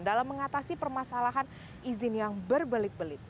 dalam mengatasi permasalahan izin yang berbelit belit